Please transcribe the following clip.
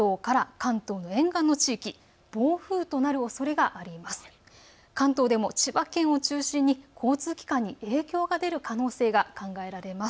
関東でも千葉県を中心に交通機関に影響が出る可能性が考えられます。